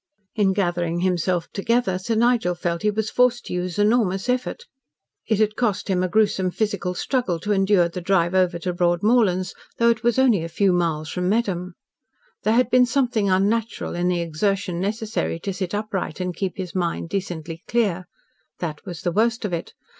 In gathering himself together, Sir Nigel felt he was forced to use enormous effort. It had cost him a gruesome physical struggle to endure the drive over to Broadmorlands, though it was only a few miles from Medham. There had been something unnatural in the exertion necessary to sit upright and keep his mind decently clear. That was the worst of it.